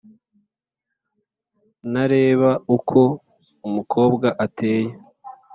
ntareba uko umukobwa ateye